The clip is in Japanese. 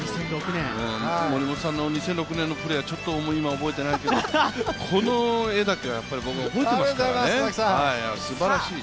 森本さんの２００６年のプレーはちょっと覚えてないけどこの画だけは僕、覚えてますもんね、すばらしい。